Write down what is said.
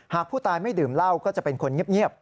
หากผู้ตายไม่ดื่มเหล้าก็จะเป็นคนเงียบ